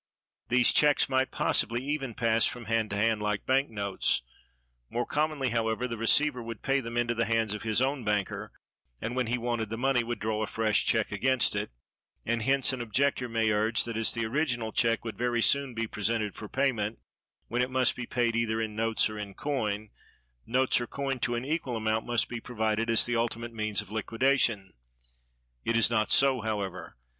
These checks might possibly even pass from hand to hand like bank notes; more commonly, however, the receiver would pay them into the hands of his own banker, and when he wanted the money would draw a fresh check against it; and hence an objector may urge that as the original check would very soon be presented for payment, when it must be paid either in notes or in coin, notes or coin to an equal amount must be provided as the ultimate means of liquidation. It is not so, however.